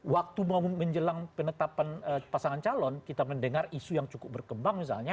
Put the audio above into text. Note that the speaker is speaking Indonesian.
waktu mau menjelang penetapan pasangan calon kita mendengar isu yang cukup berkembang misalnya